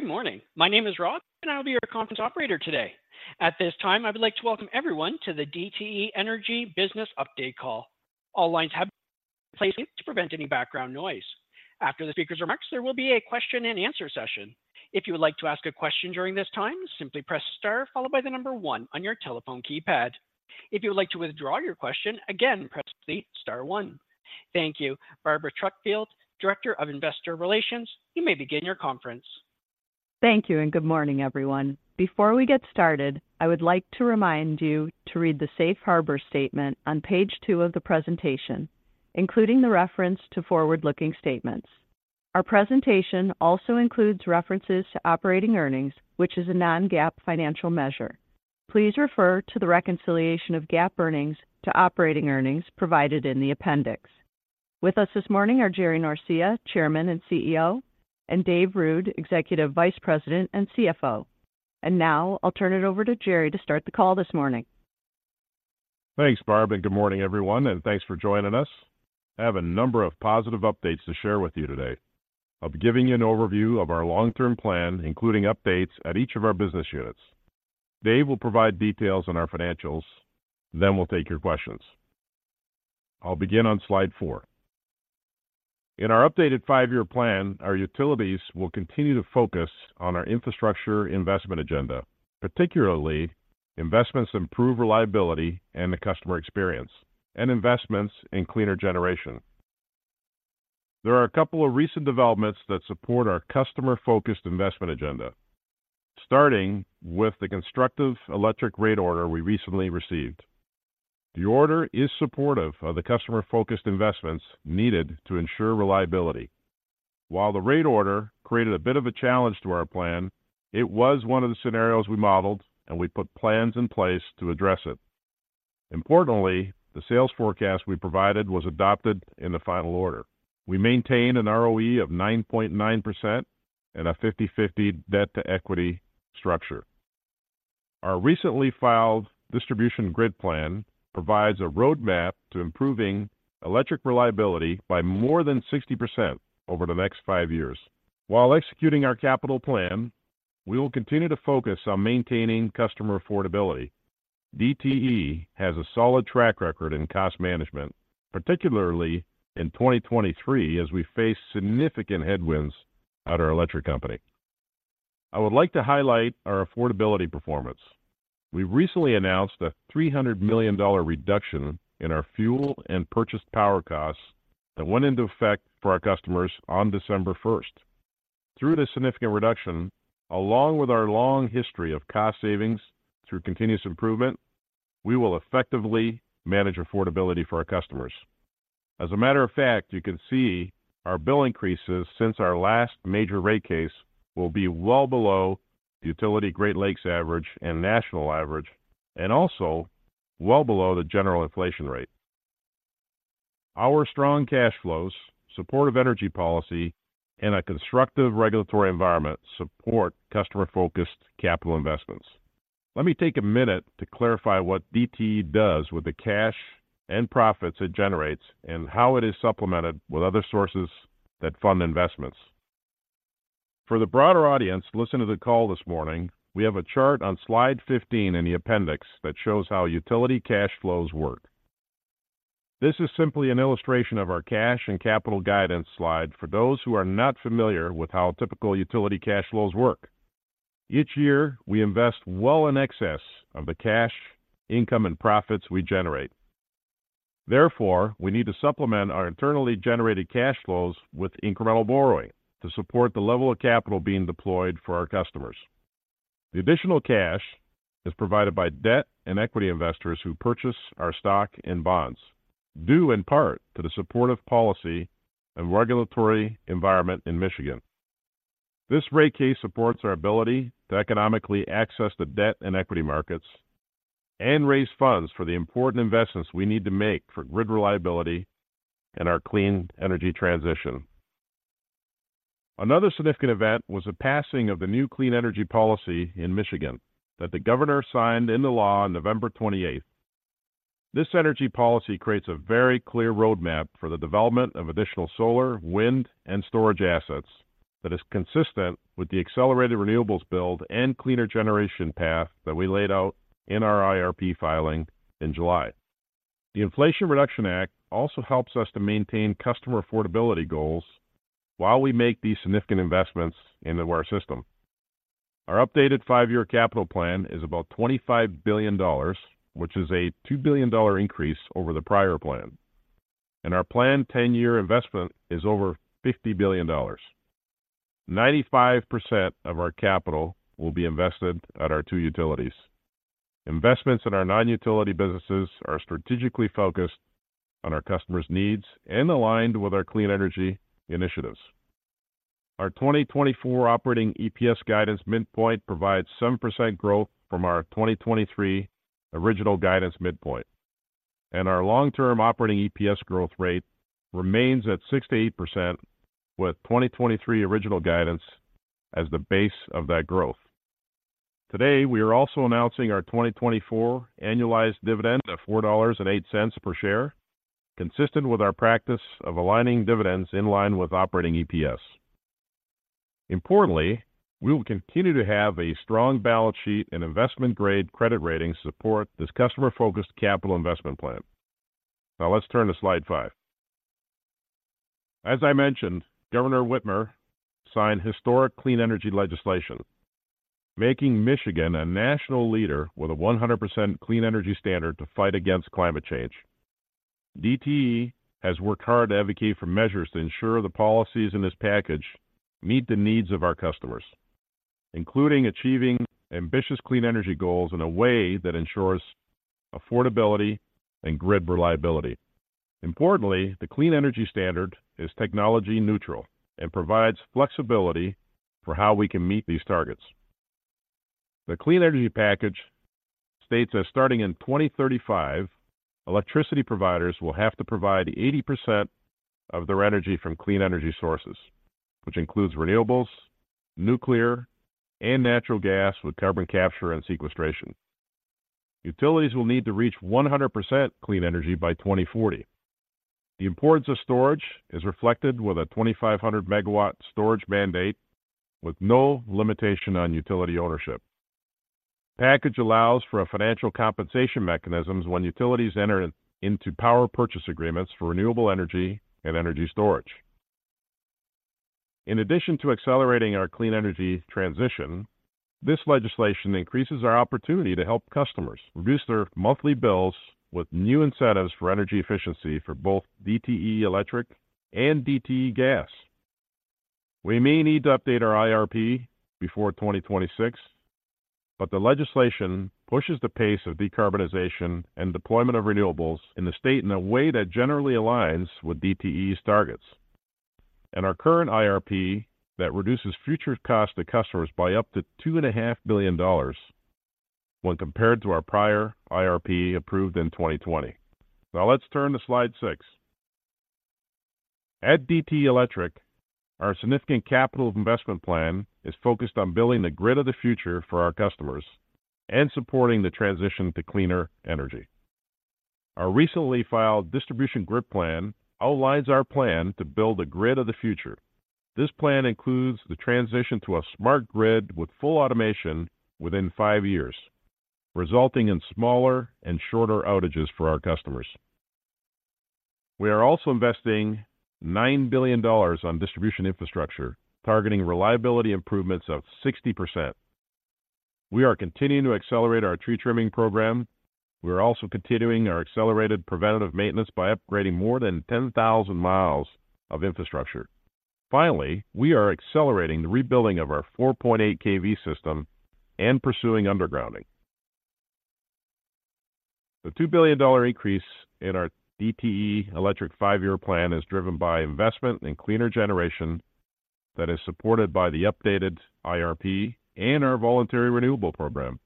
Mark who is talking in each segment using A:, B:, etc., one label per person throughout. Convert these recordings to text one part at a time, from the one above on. A: Good morning. My name is Rob, and I will be your conference operator today. At this time, I would like to welcome everyone to the DTE Energy Business Update Call. All lines have been placed to prevent any background noise. After the speaker's remarks, there will be a question-and-answer session. If you would like to ask a question during this time, simply press star followed by the number one on your telephone keypad. If you would like to withdraw your question, again, press the star one. Thank you. Barbara Tuckfield, Director of Investor Relations, you may begin your conference.
B: Thank you, and good morning, everyone. Before we get started, I would like to remind you to read the Safe Harbor Statement on page 2 of the presentation, including the reference to forward-looking statements. Our presentation also includes references to operating earnings, which is a non-GAAP financial measure. Please refer to the reconciliation of GAAP earnings to operating earnings provided in the appendix. With us this morning are Gerry Norcia, Chairman and CEO, and Dave Ruud, Executive Vice President and CFO. Now I'll turn it over to Gerry to start the call this morning.
C: Thanks, Barb, and good morning, everyone, and thanks for joining us. I have a number of positive updates to share with you today. I'll be giving you an overview of our long-term plan, including updates at each of our business units. Dave will provide details on our financials, then we'll take your questions. I'll begin on slide 4. In our updated 5-year plan, our utilities will continue to focus on our infrastructure investment agenda, particularly investments to improve reliability and the customer experience, and investments in cleaner generation. There are a couple of recent developments that support our customer-focused investment agenda, starting with the constructive electric rate order we recently received. The order is supportive of the customer-focused investments needed to ensure reliability. While the rate order created a bit of a challenge to our plan, it was one of the scenarios we modeled, and we put plans in place to address it. Importantly, the sales forecast we provided was adopted in the final order. We maintained an ROE of 9.9% and a 50/50 debt-to-equity structure. Our recently filed Distribution Grid Plan provides a roadmap to improving electric reliability by more than 60% over the next 5 years. While executing our capital plan, we will continue to focus on maintaining customer affordability. DTE has a solid track record in cost management, particularly in 2023, as we face significant headwinds at our electric company. I would like to highlight our affordability performance. We recently announced a $300 million reduction in our fuel and purchased power costs that went into effect for our customers on December first. Through this significant reduction, along with our long history of cost savings through continuous improvement, we will effectively manage affordability for our customers. As a matter of fact, you can see our bill increases since our last major rate case will be well below the utility Great Lakes average and national average, and also well below the general inflation rate. Our strong cash flows, supportive energy policy, and a constructive regulatory environment support customer-focused capital investments. Let me take a minute to clarify what DTE does with the cash and profits it generates and how it is supplemented with other sources that fund investments. For the broader audience listening to the call this morning, we have a chart on slide 15 in the appendix that shows how utility cash flows work. This is simply an illustration of our cash and capital guidance slide for those who are not familiar with how typical utility cash flows work. Each year, we invest well in excess of the cash, income, and profits we generate. Therefore, we need to supplement our internally generated cash flows with incremental borrowing to support the level of capital being deployed for our customers. The additional cash is provided by debt and equity investors who purchase our stock and bonds, due in part to the supportive policy and regulatory environment in Michigan. This rate case supports our ability to economically access the debt and equity markets and raise funds for the important investments we need to make for grid reliability and our clean energy transition. Another significant event was the passing of the new clean energy policy in Michigan that the governor signed into law on November 28th. This energy policy creates a very clear roadmap for the development of additional solar, wind, and storage assets that is consistent with the accelerated renewables build and cleaner generation path that we laid out in our IRP filing in July. The Inflation Reduction Act also helps us to maintain customer affordability goals while we make these significant investments into our system. Our updated 5-year capital plan is about $25 billion, which is a $2 billion increase over the prior plan, and our planned 10-year investment is over $50 billion. 95% of our capital will be invested at our two utilities. Investments in our non-utility businesses are strategically focused on our customers' needs and aligned with our clean energy initiatives. Our 2024 operating EPS guidance midpoint provides 7% growth from our 2023 original guidance midpoint, and our long-term operating EPS growth rate remains at 6%-8%, with 2023 original guidance as the base of that growth. Today, we are also announcing our 2024 annualized dividend of $4.08 per share, consistent with our practice of aligning dividends in line with operating EPS. Importantly, we will continue to have a strong balance sheet and investment-grade credit rating support this customer-focused capital investment plan. Now let's turn to slide 5. As I mentioned, Governor Whitmer signed historic clean energy legislation, making Michigan a national leader with a 100% clean energy standard to fight against climate change. DTE has worked hard to advocate for measures to ensure the policies in this package meet the needs of our customers, including achieving ambitious clean energy goals in a way that ensures affordability and grid reliability. Importantly, the clean energy standard is technology-neutral and provides flexibility for how we can meet these targets. The clean energy package states that starting in 2035, electricity providers will have to provide 80% of their energy from clean energy sources, which includes renewables, nuclear, and natural gas with carbon capture and sequestration. Utilities will need to reach 100% clean energy by 2040. The importance of storage is reflected with a 2,500 MW storage mandate with no limitation on utility ownership. Package allows for a financial compensation mechanisms when utilities enter into power purchase agreements for renewable energy and energy storage. In addition to accelerating our clean energy transition, this legislation increases our opportunity to help customers reduce their monthly bills with new incentives for energy efficiency for both DTE Electric and DTE Gas. We may need to update our IRP before 2026, but the legislation pushes the pace of decarbonization and deployment of renewables in the state in a way that generally aligns with DTE's targets and our current IRP that reduces future costs to customers by up to $2.5 billion when compared to our prior IRP, approved in 2020. Now, let's turn to slide 6. At DTE Electric, our significant capital investment plan is focused on building the grid of the future for our customers and supporting the transition to cleaner energy. Our recently filed Distribution Grid Plan outlines our plan to build a grid of the future. This plan includes the transition to a smart Grid with full automation within 5 years, resulting in smaller and shorter outages for our customers. We are also investing $9 billion on distribution infrastructure, targeting reliability improvements of 60%. We are continuing to accelerate our tree trimming program. We are also continuing our accelerated preventative maintenance by upgrading more than 10,000 miles of infrastructure. Finally, we are accelerating the rebuilding of our 4.8 kV system and pursuing undergrounding. The $2 billion increase in our DTE Electric five-year plan is driven by investment in cleaner generation that is supported by the updated IRP and our voluntary renewable program.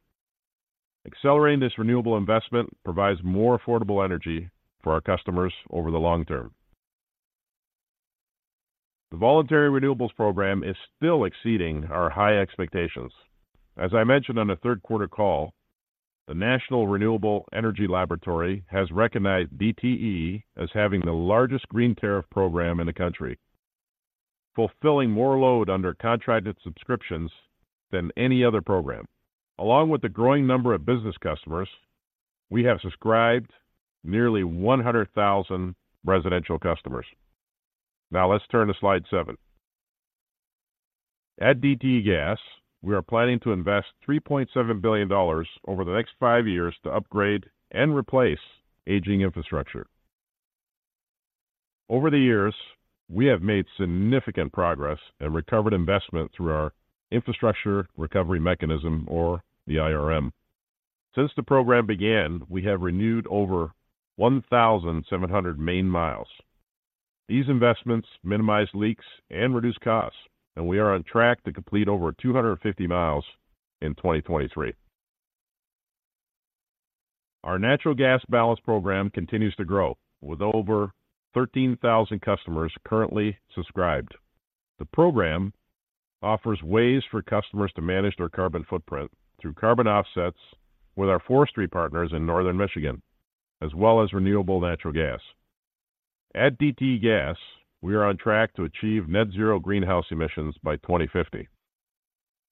C: Accelerating this renewable investment provides more affordable energy for our customers over the long term. The voluntary renewables program is still exceeding our high expectations. As I mentioned on the third quarter call, the National Renewable Energy Laboratory has recognized DTE as having the largest green tariff program in the country, fulfilling more load under contracted subscriptions than any other program. Along with the growing number of business customers, we have subscribed nearly 100,000 residential customers. Now, let's turn to slide 7. At DTE Gas, we are planning to invest $3.7 billion over the next five years to upgrade and replace aging infrastructure. Over the years, we have made significant progress and recovered investment through our Infrastructure Recovery Mechanism or the IRM. Since the program began, we have renewed over 1,700 main miles. These investments minimize leaks and reduce costs, and we are on track to complete over 250 miles in 2023. Our Natural Gas Balance Program continues to grow, with over 13,000 customers currently subscribed. The program offers ways for customers to manage their carbon footprint through carbon offsets with our forestry partners in Northern Michigan, as well as renewable natural gas. At DTE Gas, we are on track to achieve net zero greenhouse emissions by 2050.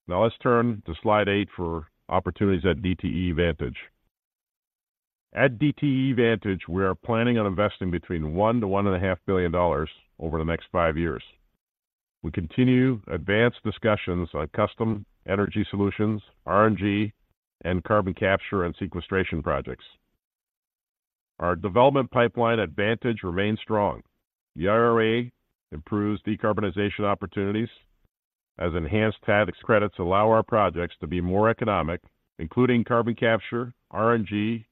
C: Now, let's turn to slide 8 for opportunities at DTE Vantage. At DTE Vantage, we are planning on investing between $1-$1.5 billion over the next 5 years. We continue advanced discussions on Custom Energy Solutions, RNG, and carbon capture and sequestration projects. Our development pipeline at Vantage remains strong. The IRA improves decarbonization opportunities as enhanced tax credits allow our projects to be more economic, including carbon capture, RNG,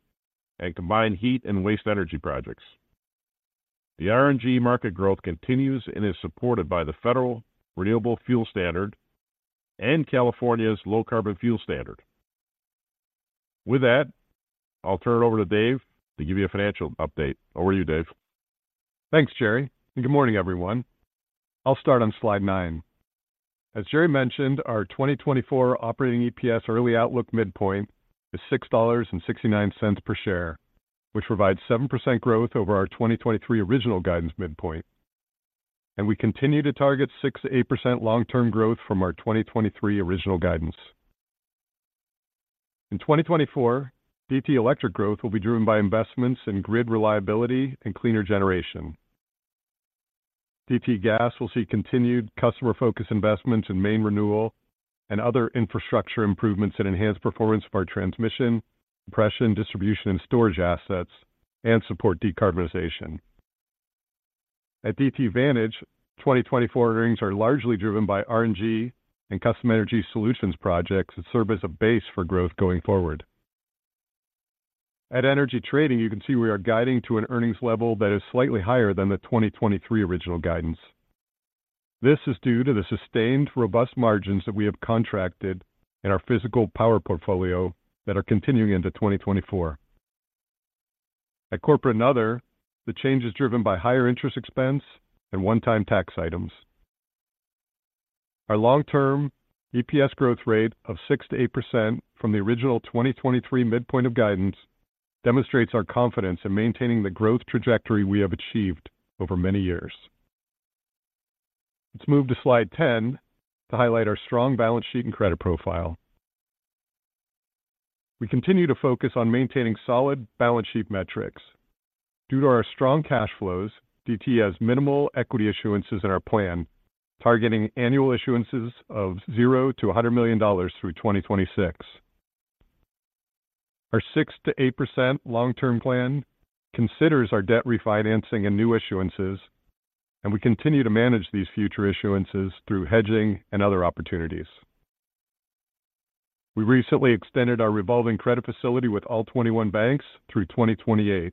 C: and combined heat and power projects. The RNG market growth continues and is supported by the Federal Renewable Fuel Standard and California's Low Carbon Fuel Standard. ...With that, I'll turn it over to Dave to give you a financial update. Over to you, Dave.
D: Thanks, Gerry, and good morning, everyone. I'll start on slide 9. As Gerry mentioned, our 2024 operating EPS early outlook midpoint is $6.69 per share, which provides 7% growth over our 2023 original guidance midpoint. We continue to target 6%-8% long-term growth from our 2023 original guidance. In 2024, DTE Electric growth will be driven by investments in grid reliability and cleaner generation. DTE Gas will see continued customer-focused investments in main renewal and other infrastructure improvements that enhance performance of our transmission, compression, distribution, and storage assets and support decarbonization. At DTE Vantage, 2024 earnings are largely driven by RNG and Custom Energy Solutions projects that serve as a base for growth going forward. At Energy Trading, you can see we are guiding to an earnings level that is slightly higher than the 2023 original guidance. This is due to the sustained, robust margins that we have contracted in our physical power portfolio that are continuing into 2024. At Corporate and Other, the change is driven by higher interest expense and one-time tax items. Our long-term EPS growth rate of 6%-8% from the original 2023 midpoint of guidance demonstrates our confidence in maintaining the growth trajectory we have achieved over many years. Let's move to slide 10 to highlight our strong balance sheet and credit profile. We continue to focus on maintaining solid balance sheet metrics. Due to our strong cash flows, DTE has minimal equity issuances in our plan, targeting annual issuances of $0-$100 million through 2026. Our 6%-8% long-term plan considers our debt refinancing and new issuances, and we continue to manage these future issuances through hedging and other opportunities. We recently extended our revolving credit facility with all 21 banks through 2028.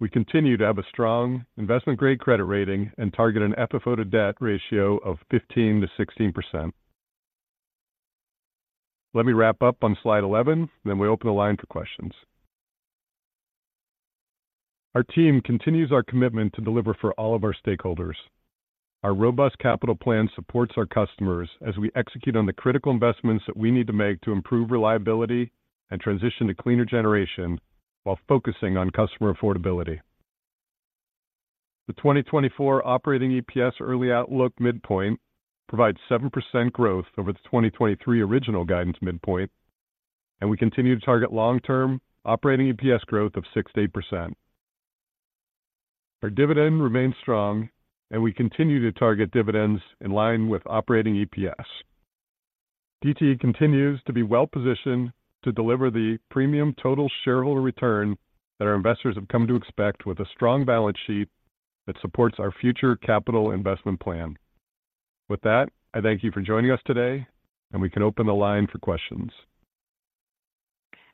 D: We continue to have a strong investment-grade credit rating and target an FFO to debt ratio of 15%-16%. Let me wrap up on slide 11, then we open the line for questions. Our team continues our commitment to deliver for all of our stakeholders. Our robust capital plan supports our customers as we execute on the critical investments that we need to make to improve reliability and transition to cleaner generation while focusing on customer affordability. The 2024 operating EPS early outlook midpoint provides 7% growth over the 2023 original guidance midpoint, and we continue to target long-term operating EPS growth of 6%-8%. Our dividend remains strong, and we continue to target dividends in line with operating EPS. DTE continues to be well-positioned to deliver the premium total shareholder return that our investors have come to expect with a strong balance sheet that supports our future capital investment plan. With that, I thank you for joining us today, and we can open the line for questions.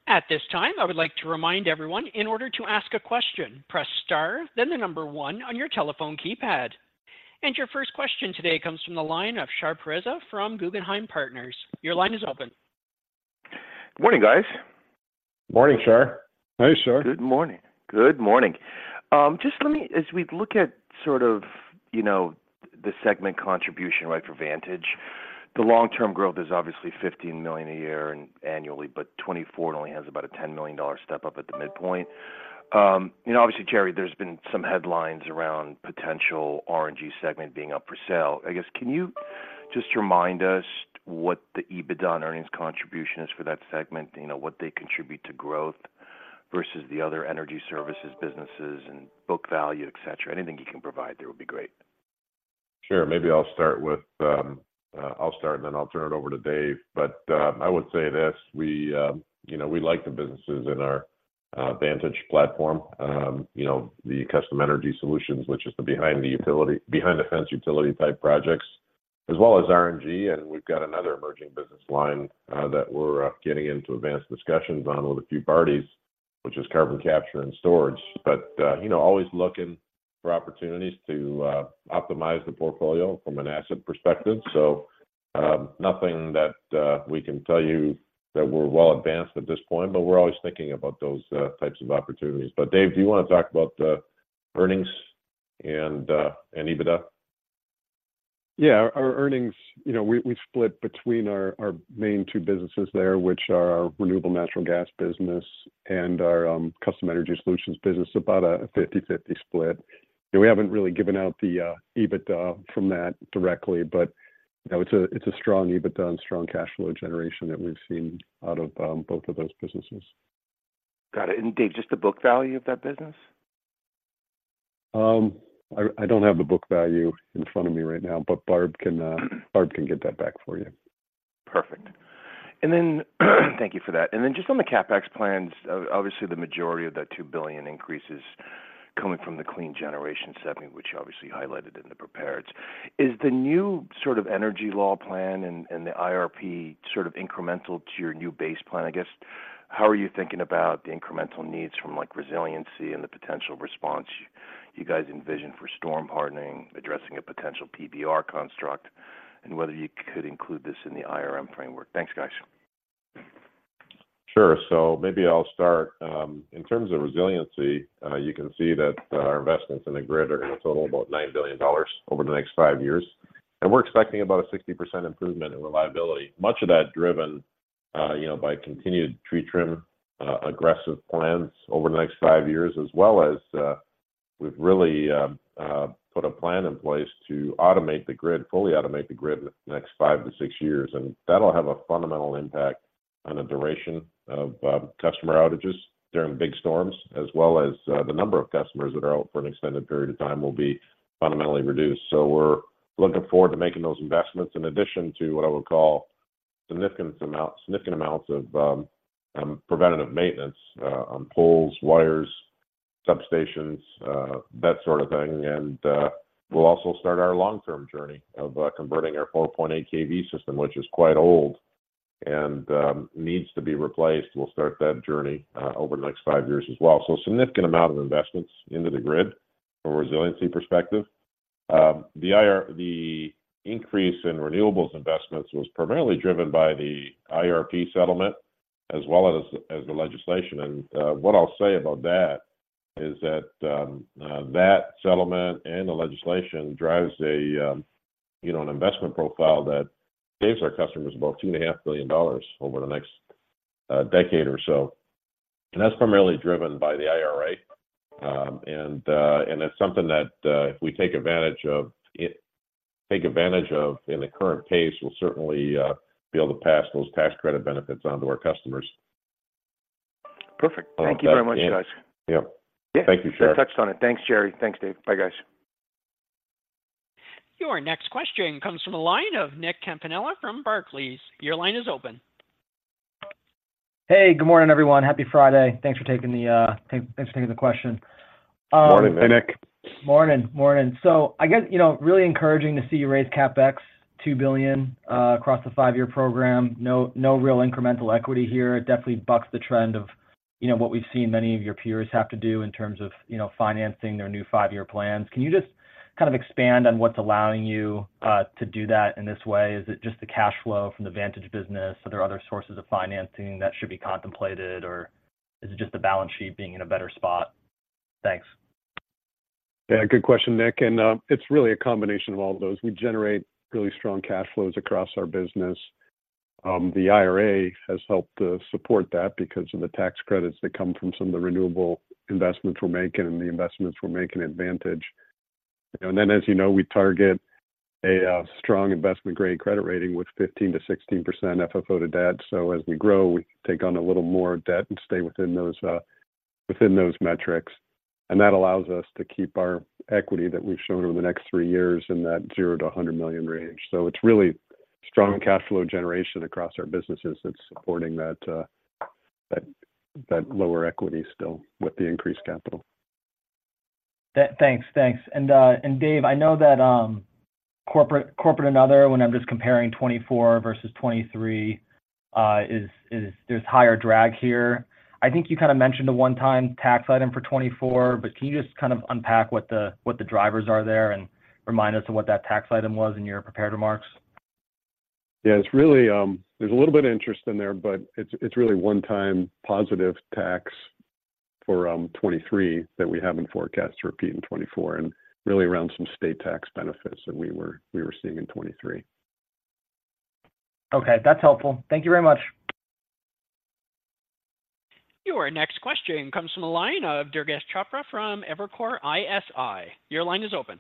A: At this time, I would like to remind everyone, in order to ask a question, press star, then 1 on your telephone keypad. And your first question today comes from the line of Shar Pourreza from Guggenheim Partners. Your line is open.
E: Good morning, guys.
C: Morning, Shar.
D: Hi, Shar.
E: Good morning. Good morning. As we look at sort of, you know, the segment contribution, right, for Vantage, the long-term growth is obviously $15 million a year and annually, but 2024 only has about a $10 million step up at the midpoint. You know, obviously, Gerry, there's been some headlines around potential RNG segment being up for sale. I guess, can you just remind us what the EBITDA and earnings contribution is for that segment? You know, what they contribute to growth versus the other energy services, businesses, and book value, et cetera. Anything you can provide there would be great.
C: Sure. Maybe I'll start, and then I'll turn it over to Dave. But I would say this: we, you know, we like the businesses in our Vantage platform. You know, the Custom Energy Solutions, which is the behind the fence utility-type projects, as well as RNG, and we've got another emerging business line that we're getting into advanced discussions on with a few parties, which is carbon capture and storage. But you know, always looking for opportunities to optimize the portfolio from an asset perspective. So nothing that we can tell you that we're well advanced at this point, but we're always thinking about those types of opportunities. But Dave, do you want to talk about the earnings and EBITDA?
D: Yeah. Our earnings, you know, we split between our main two businesses there, which are our renewable natural gas business and our Custom Energy Solutions business, about a 50/50 split. We haven't really given out the EBITDA from that directly, but, you know, it's a strong EBITDA and strong cash flow generation that we've seen out of both of those businesses.
E: Got it. And Dave, just the book value of that business?
D: I don't have the book value in front of me right now, but Barb can get that back for you.
E: Perfect. And then, thank you for that. And then just on the CapEx plans, obviously, the majority of that $2 billion increase is coming from the clean generation segment, which you obviously highlighted in the prepared. Is the new sort of energy law plan and, and the IRP sort of incremental to your new base plan, I guess? How are you thinking about the incremental needs from, like, resiliency and the potential response you guys envision for storm hardening, addressing a potential PBR construct, and whether you could include this in the IRM framework? Thanks, guys.
C: Sure. So maybe I'll start. In terms of resiliency, you can see that, our investments in the grid are going to total about $9 billion over the next 5 years, and we're expecting about a 60% improvement in reliability. Much of that driven, you know, by continued tree trim, aggressive plans over the next 5 years, as well as, we've really put a plan in place to automate the grid, fully automate the grid the next 5-6 years, and that'll have a fundamental impact on the duration of customer outages during big storms, as well as, the number of customers that are out for an extended period of time will be fundamentally reduced. So we're looking forward to making those investments, in addition to what I would call significant amounts of preventative maintenance on poles, wires, substations, that sort of thing. And we'll also start our long-term journey of converting our 4.8 kV system, which is quite old and needs to be replaced. We'll start that journey over the next five years as well. So significant amount of investments into the grid from a resiliency perspective. The increase in renewables investments was primarily driven by the IRP settlement as well as the legislation. What I'll say about that is that that settlement and the legislation drives a, you know, an investment profile that saves our customers about $2.5 billion over the next decade or so, and that's primarily driven by the IRA. That's something that if we take advantage of in the current pace, we'll certainly be able to pass those tax credit benefits on to our customers.
E: Perfect. Thank you very much, guys.
C: Yep. Thank you, sir.
E: Touched on it. Thanks, Gerry. Thanks, Dave. Bye, guys.
A: Your next question comes from the line of Nick Campanella from Barclays. Your line is open.
F: Hey, good morning, everyone. Happy Friday. Thanks for taking the question.
C: Morning, Nick.
F: Morning, morning. So I guess, you know, really encouraging to see you raise CapEx $2 billion across the five-year program. No, no real incremental equity here. It definitely bucks the trend of, you know, what we've seen many of your peers have to do in terms of, you know, financing their new five-year plans. Can you just kind of expand on what's allowing you to do that in this way? Is it just the cash flow from the Vantage business? Are there other sources of financing that should be contemplated, or is it just the balance sheet being in a better spot? Thanks.
D: Yeah, good question, Nick, and it's really a combination of all of those. We generate really strong cash flows across our business. The IRA has helped support that because of the tax credits that come from some of the renewable investments we're making and the investments we're making at Vantage. And then, as you know, we target a strong investment-grade credit rating with 15%-16% FFO to debt. So as we grow, we take on a little more debt and stay within those, within those metrics, and that allows us to keep our equity that we've shown over the next three years in that $0-$100 million range. So it's really strong cash flow generation across our businesses that's supporting that, that lower equity still with the increased capital.
F: Thanks. And Dave, I know that corporate and other, when I'm just comparing 2024 versus 2023, there's higher drag here. I think you kind of mentioned a one-time tax item for 2024, but can you just kind of unpack what the drivers are there and remind us of what that tax item was in your prepared remarks?
D: Yeah, it's really... There's a little bit of interest in there, but it's, it's really one-time positive tax for 2023 that we haven't forecast to repeat in 2024, and really around some state tax benefits that we were, we were seeing in 2023.
F: Okay, that's helpful. Thank you very much.
A: Your next question comes from the line of Durgesh Chopra from Evercore ISI. Your line is open.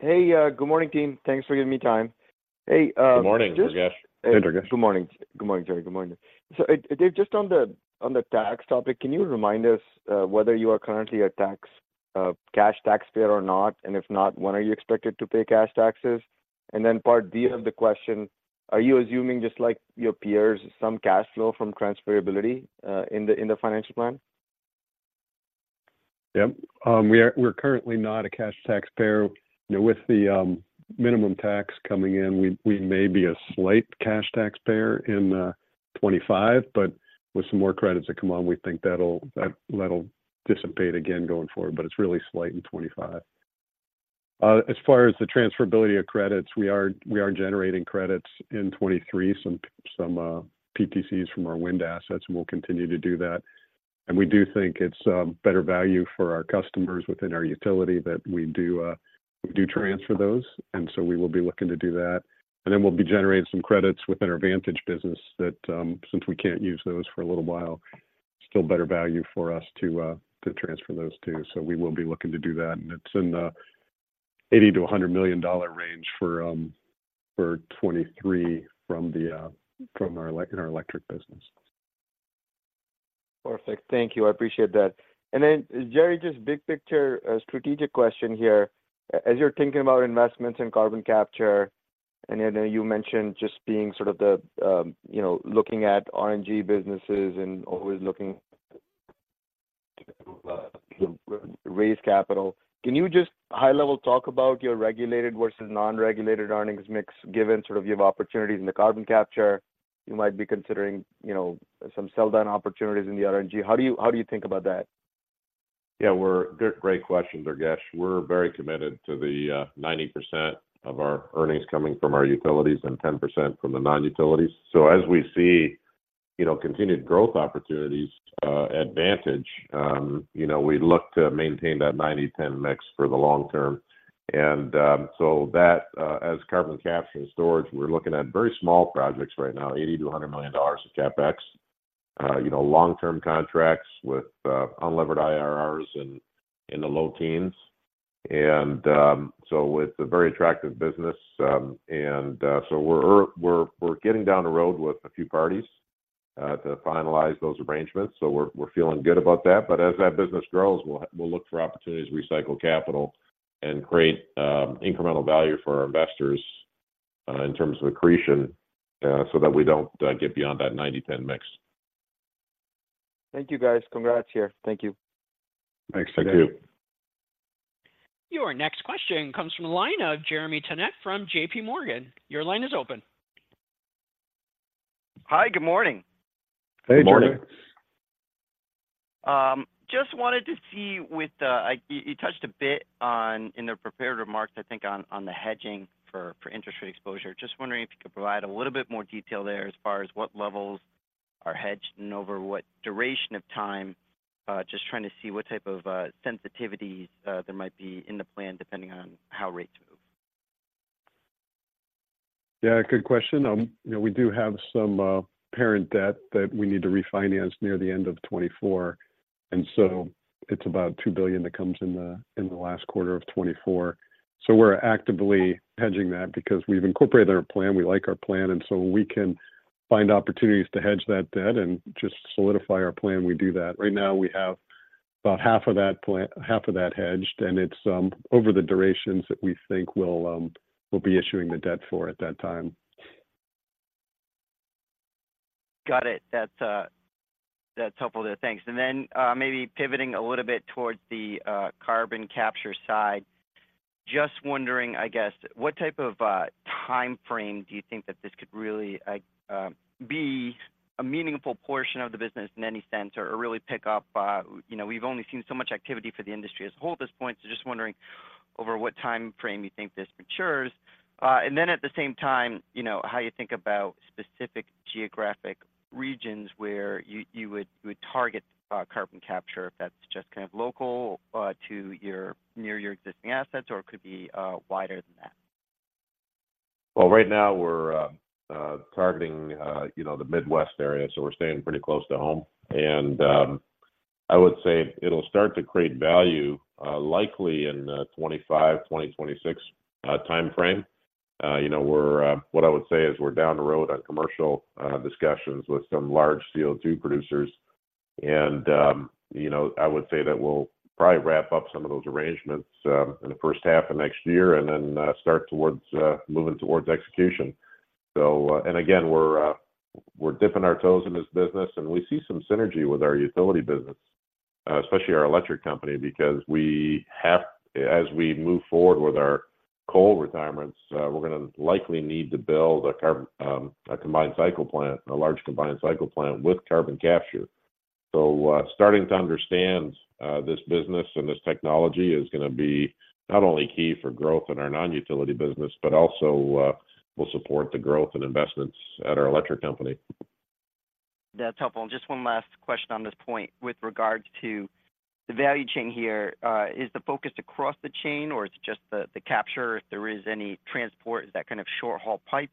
G: Hey, good morning, team. Thanks for giving me time.
C: Good morning, Durgesh.
D: Good morning, Durgesh.
G: Good morning. Good morning, Gerry. Good morning. So Dave, just on the tax topic, can you remind us whether you are currently a tax cash taxpayer or not? And if not, when are you expected to pay cash taxes? And then part B of the question, are you assuming, just like your peers, some cash flow from transferability in the financial plan?
D: Yep. We're currently not a cash taxpayer. With the minimum tax coming in, we may be a slight cash taxpayer in 2025, but with some more credits that come on, we think that'll dissipate again going forward, but it's really slight in 2025. As far as the transferability of credits, we are generating credits in 2023, some PTCs from our wind assets, and we'll continue to do that. And we do think it's a better value for our customers within our utility that we transfer those, and so we will be looking to do that. And then we'll be generating some credits within our Vantage business that, since we can't use those for a little while, still better value for us to transfer those too. So we will be looking to do that, and it's in the $80-$100 million range for 2023 from our electric business.
G: Perfect. Thank you. I appreciate that. And then, Gerry, just big picture, strategic question here. As you're thinking about investments in carbon capture, and I know you mentioned just being sort of the, you know, looking at RNG businesses and always looking you know raise capital. Can you just high-level talk about your regulated versus non-regulated earnings mix, given sort of you have opportunities in the carbon capture, you might be considering, you know, some sell-down opportunities in the RNG? How do you, how do you think about that?
C: Yeah, we're—Great question, Durgesh. We're very committed to the 90% of our earnings coming from our utilities and 10% from the non-utilities. So as we see, you know, continued growth opportunities in Vantage, you know, we look to maintain that 90/10 mix for the long term. And so that as carbon capture and storage, we're looking at very small projects right now, $80 million-$100 million of CapEx. You know, long-term contracts with unlevered IRRs in the low teens. And so it's a very attractive business, and so we're getting down the road with a few parties to finalize those arrangements, so we're feeling good about that. But as that business grows, we'll look for opportunities to recycle capital and create incremental value for our investors in terms of accretion so that we don't get beyond that 90/10 mix.
G: Thank you, guys. Congrats here. Thank you.
C: Thanks.
D: Thank you.
A: Your next question comes from the line of Jeremy Tonet from J.P. Morgan. Your line is open.
H: Hi, good morning.
C: Hey, Jeremy.
D: Morning.
H: Just wanted to see with, you touched a bit on, in the prepared remarks, I think, on, on the hedging for, for interest rate exposure. Just wondering if you could provide a little bit more detail there as far as what levels are hedged and over what duration of time? Just trying to see what type of sensitivities there might be in the plan, depending on how rates move.
D: Yeah, good question. You know, we do have some parent debt that we need to refinance near the end of 2024, and so it's about $2 billion that comes in the last quarter of 2024. So we're actively hedging that because we've incorporated our plan, we like our plan, and so we can find opportunities to hedge that debt and just solidify our plan, we do that. Right now, we have about half of that hedged, and it's over the durations that we think we'll be issuing the debt for at that time.
H: Got it. That's, that's helpful there. Thanks. And then, maybe pivoting a little bit towards the, carbon capture side. Just wondering, I guess, what type of, timeframe do you think that this could really, like, be a meaningful portion of the business in any sense, or really pick up, you know, we've only seen so much activity for the industry as a whole at this point, so just wondering over what time frame you think this matures? And then at the same time, you know, how you think about specific geographic regions where you would target, carbon capture, if that's just kind of local, to your near your existing assets, or it could be, wider than that.
C: Well, right now we're targeting, you know, the Midwest area, so we're staying pretty close to home. I would say it'll start to create value, likely in 2025-2026 timeframe. You know, what I would say is we're down the road on commercial discussions with some large CO2 producers and, you know, I would say that we'll probably wrap up some of those arrangements in the first half of next year and then start towards moving towards execution. So, and again, we're dipping our toes in this business, and we see some synergy with our utility business, especially our electric company, because, as we move forward with our coal retirements, we're gonna likely need to build a carbon, a combined cycle plant, a large combined cycle plant with carbon capture. So, starting to understand this business and this technology is gonna be not only key for growth in our non-utility business, but also will support the growth and investments at our electric company.
H: That's helpful. And just one last question on this point with regards to the value chain here. Is the focus across the chain or is it just the capture? If there is any transport, is that kind of short haul pipe?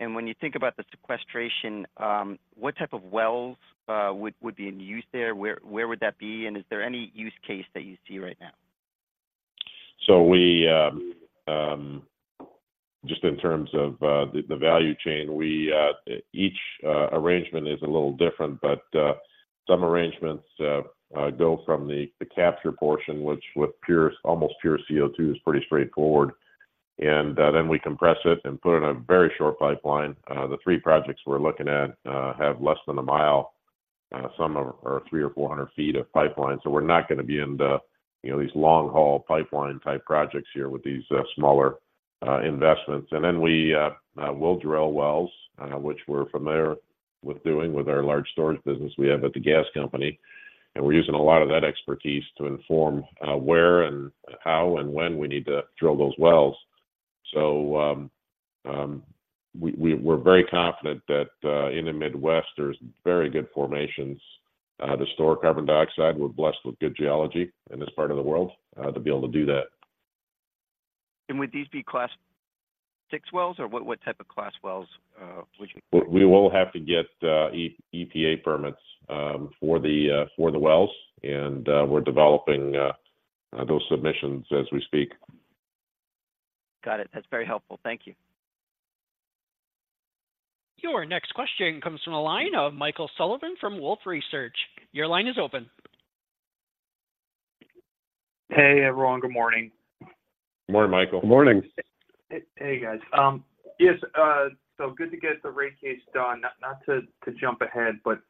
H: And when you think about the sequestration, what type of wells would be in use there? Where would that be, and is there any use case that you see right now?
C: So we just in terms of the value chain, we each arrangement is a little different, but some arrangements go from the capture portion, which with pure, almost pure CO2, is pretty straightforward, and then we compress it and put it in a very short pipeline. The three projects we're looking at have less than a mile, some are 300 or 400 feet of pipeline. So we're not gonna be in the, you know, these long-haul pipeline type projects here with these smaller investments. And then we'll drill wells, which we're familiar with doing with our large storage business we have at the gas company, and we're using a lot of that expertise to inform where and how and when we need to drill those wells. So, we're very confident that in the Midwest, there's very good formations to store carbon dioxide. We're blessed with good geology in this part of the world to be able to do that.
H: Would these be Class VI wells, or what type of class wells would you-
C: We will have to get EPA permits for the wells, and we're developing those submissions as we speak.
H: Got it. That's very helpful. Thank you.
A: Your next question comes from the line of Michael Sullivan from Wolfe Research. Your line is open.
I: Hey, everyone. Good morning.
C: Morning, Michael.
D: Morning.
I: Hey, guys. Yes, so good to get the rate case done. Not to jump ahead, but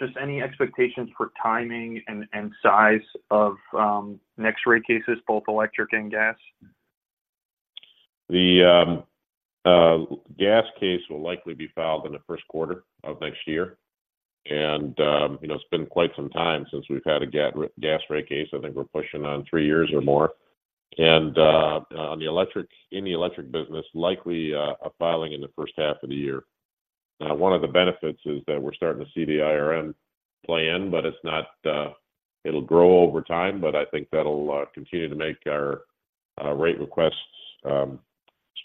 I: just any expectations for timing and size of next rate cases, both electric and gas?
C: The gas case will likely be filed in the first quarter of next year. And, you know, it's been quite some time since we've had a gas rate case. I think we're pushing on three years or more. And, on the electric, in the electric business, likely, a filing in the first half of the year. One of the benefits is that we're starting to see the IRM plan, but it's not. It'll grow over time, but I think that'll continue to make our rate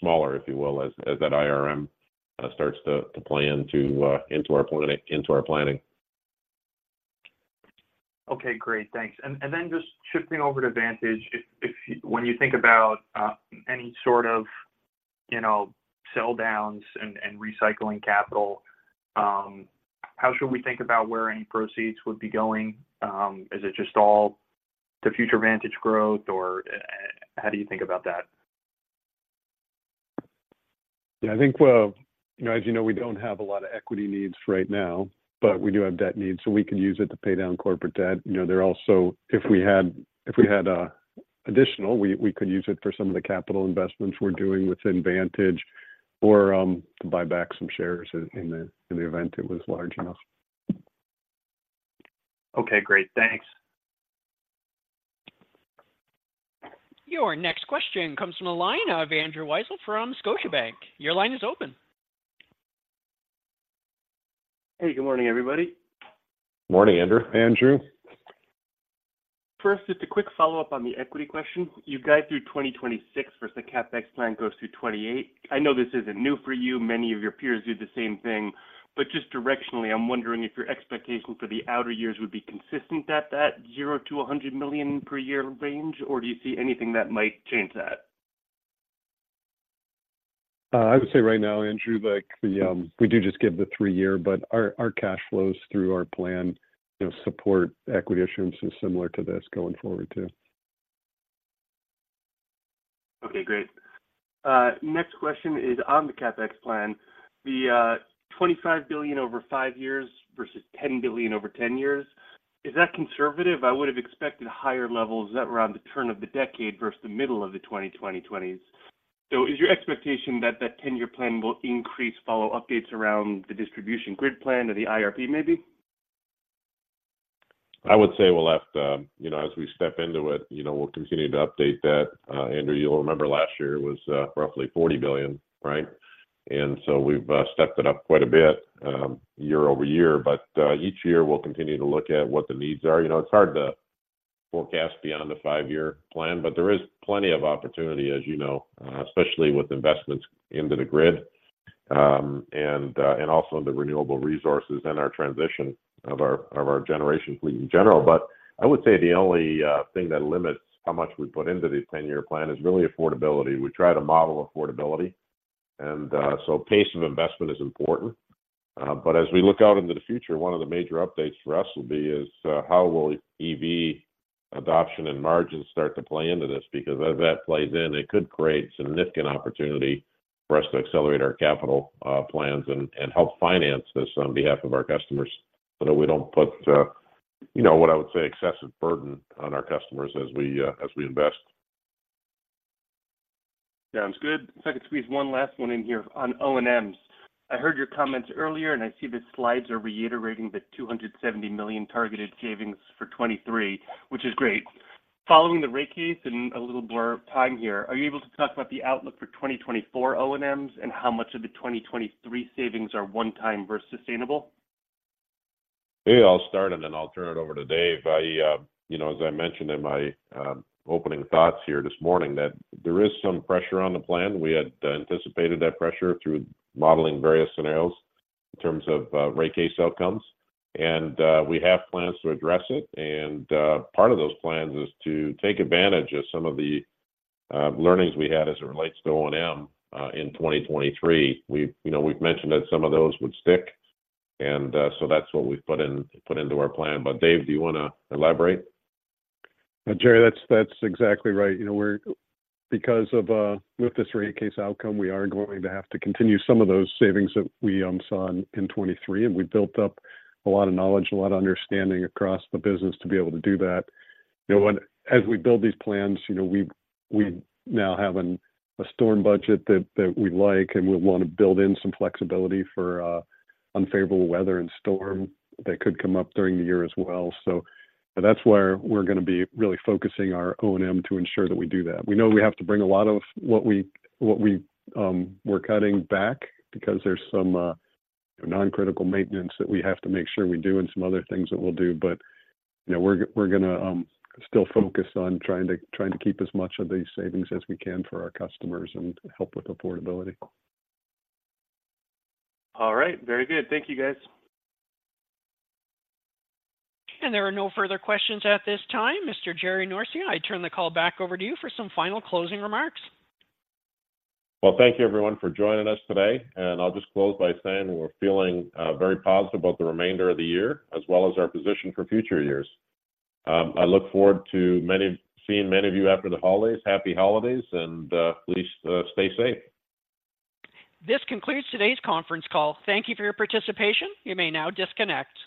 C: requests smaller, if you will, as that IRM starts to play into our planning.
I: Okay, great. Thanks. And then just shifting over to Vantage. If when you think about any sort of, you know, sell downs and recycling capital, how should we think about where any proceeds would be going? Is it just all the future Vantage growth or how do you think about that?
D: Yeah, I think, well, you know, as you know, we don't have a lot of equity needs right now, but we do have debt needs, so we can use it to pay down corporate debt. You know, there are also if we had additional, we could use it for some of the capital investments we're doing within Vantage or to buy back some shares in the event it was large enough.
I: Okay, great. Thanks.
A: Your next question comes from the line of Andrew Weisel from Scotiabank. Your line is open.
J: Hey, good morning, everybody.
C: Morning, Andrew.
D: Andrew.
J: First, just a quick follow-up on the equity question. You guide through 2026 versus the CapEx plan goes through 2028. I know this isn't new for you. Many of your peers do the same thing, but just directionally, I'm wondering if your expectation for the outer years would be consistent at that $0-$100 million per year range, or do you see anything that might change that?
D: I would say right now, Andrew, like, we do just give the three year, but our, our cash flows through our plan, you know, support equity issuance is similar to this going forward, too.
J: Okay, great. Next question is on the CapEx plan. The $25 billion over 5 years versus $10 billion over 10 years, is that conservative? I would have expected higher levels that were around the turn of the decade versus the middle of the 2020s. So is your expectation that that 10-year plan will increase follow updates around the Distribution Grid Plan or the IRP, maybe?
C: I would say we'll have to, you know, as we step into it, you know, we'll continue to update that. Andrew, you'll remember last year was roughly $40 billion, right? And so we've stepped it up quite a bit, year-over-year. But each year, we'll continue to look at what the needs are. You know, it's hard to forecast beyond the 5-year plan, but there is plenty of opportunity, as you know, especially with investments into the grid, and also the renewable resources and our transition of our generation fleet in general. But I would say the only thing that limits how much we put into the 10-year plan is really affordability. We try to model affordability, and so pace of investment is important. But as we look out into the future, one of the major updates for us will be is, how will EV adoption and margins start to play into this? Because as that plays in, it could create significant opportunity for us to accelerate our capital plans and help finance this on behalf of our customers, so that we don't put, you know, what I would say, excessive burden on our customers as we invest.
J: Sounds good. If I could squeeze one last one in here on O&Ms. I heard your comments earlier, and I see the slides are reiterating the $270 million targeted savings for 2023, which is great. Following the rate case and a little blur of time here, are you able to talk about the outlook for 2024 O&Ms and how much of the 2023 savings are one time versus sustainable?
C: Hey, I'll start, and then I'll turn it over to Dave. I, you know, as I mentioned in my opening thoughts here this morning, that there is some pressure on the plan. We had anticipated that pressure through modeling various scenarios in terms of rate case outcomes, and we have plans to address it. And part of those plans is to take advantage of some of the learnings we had as it relates to O&M in 2023. We've, you know, we've mentioned that some of those would stick, and so that's what we've put into our plan. But Dave, do you want to elaborate?
D: Gerry, that's exactly right. You know, we're—because of, with this rate case outcome, we are going to have to continue some of those savings that we saw in 2023, and we built up a lot of knowledge and a lot of understanding across the business to be able to do that. You know, and as we build these plans, you know, we now have a storm budget that we like, and we want to build in some flexibility for unfavorable weather and storm that could come up during the year as well. So that's where we're going to be really focusing our O&M to ensure that we do that. We know we have to bring a lot of what we're cutting back because there's some non-critical maintenance that we have to make sure we do and some other things that we'll do. But, you know, we're going to still focus on trying to keep as much of these savings as we can for our customers and help with affordability.
J: All right. Very good. Thank you, guys.
A: There are no further questions at this time. Mr. Gerry Norcia, I turn the call back over to you for some final closing remarks.
C: Well, thank you, everyone, for joining us today, and I'll just close by saying we're feeling very positive about the remainder of the year as well as our position for future years. I look forward to seeing many of you after the holidays. Happy holidays, and please stay safe.
A: This concludes today's conference call. Thank you for your participation. You may now disconnect.